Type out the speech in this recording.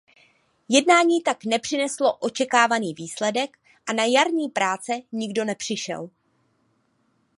Jednání tak nepřineslo očekávaný výsledek a na jarní práce nikdo nepřišel.